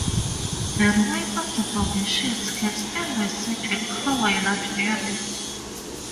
The remains of the foundations can still be seen and cover a large area.